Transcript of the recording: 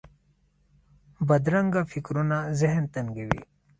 بدرنګه فکرونه ذهن تنګوي